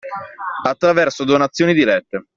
Attraverso donazioni dirette.